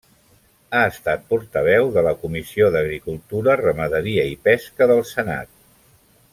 Ha estat portaveu de la Comissió d'Agricultura, Ramaderia i Pesca del Senat.